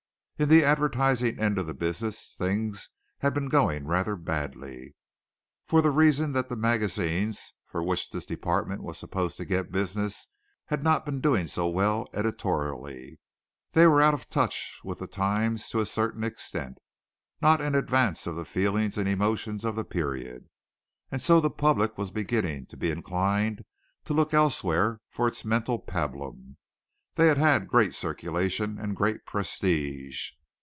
In the advertising end of the business things had been going rather badly, for the reason that the magazines for which this department was supposed to get business had not been doing so well editorially. They were out of touch with the times to a certain extent not in advance of the feelings and emotions of the period, and so the public was beginning to be inclined to look elsewhere for its mental pabulum. They had had great circulation and great prestige.